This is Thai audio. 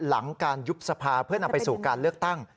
หลังการยุบสภาเพื่อนำไปสู่การเลือกตั้ง